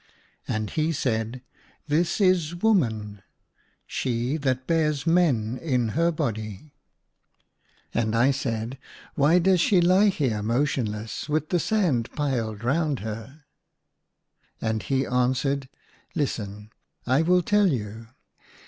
*" And he said, *' This is woman ; she that bears men in her body." And I said, " Why does she lie here THREE DREAMS IN A DESERT. 69 motionless with the sand piled round her?" And he answered, " Listen, I will tell you